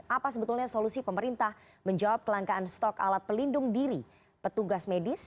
apa sebetulnya solusi pemerintah menjawab kelangkaan stok alat pelindung diri petugas medis